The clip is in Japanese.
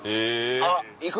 あっ行く？